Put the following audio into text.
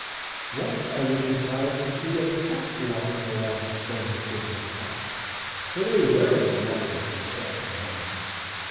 Once I was surprised to see a cat walking along the stony shore of the pond, for they rarely wander so far from home.